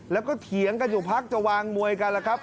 แล้วก็เถียงกันอยู่พักจะวางมวยกันแล้วครับ